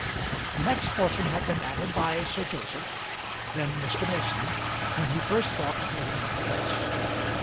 The next portion had been added by Sir Joseph, then Mr. Mason, when he first thought of living at the place.